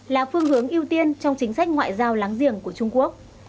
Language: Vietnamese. là phương hướng ưu tiên trong chính sách ngoại giao láng giềng của trung quốc